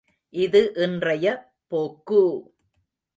இது இன்றைய போக்கு!